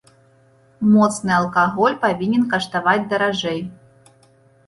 Моцны алкаголь павінен каштаваць даражэй.